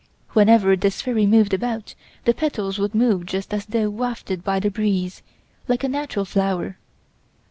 Whenever this fairy moved about the petals would move just as though wafted by the breeze, like a natural flower.